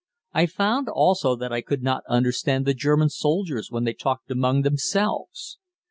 I found also that I could not understand the German soldiers when they talked among themselves.